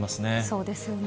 そうですよね。